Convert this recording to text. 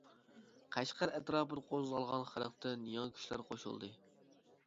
قەشقەر ئەتراپىدا قوزغالغان خەلقتىن يېڭى كۈچلەر قوشۇلدى.